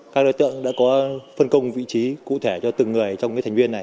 các đối tượng đã có phân công vị trí cụ thể cho từng người trong thành viên này